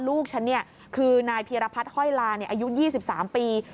ลูกฉันเนี่ยคือนายเพียรพัฒน์ฮ่อยลาอายุ๒๓ปี